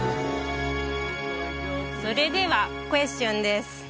それではクエスチョンです